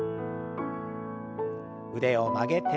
腕を曲げて。